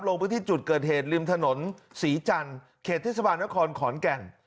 ลงพื้นที่จุดเกิดเหตุริมถนนศรีจันทร์เขตเทศบาลนครขอนแก่น